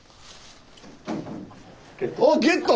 あっゲット？